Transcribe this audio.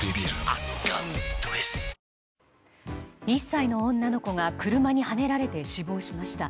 １歳の女の子が車にはねられて死亡しました。